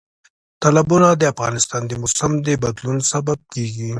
تالابونه د افغانستان د موسم د بدلون سبب کېږي.